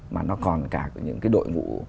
mà nó còn cả những cái đội ngũ